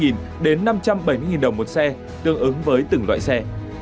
từ hai trăm năm mươi đồng đến năm trăm bảy mươi đồng một xe tương ứng với từng loại xe